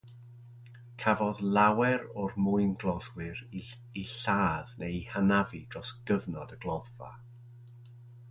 Cafodd lawer o'r mwyngloddwyr eu lladd neu eu hanafu dros gyfnod y gloddfa.